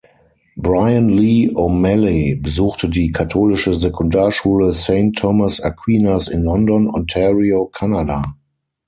Bryan Lee O'Malley besuchte die katholische Sekundarschule Saint Thomas Aquinas in London, Ontario, Kanada.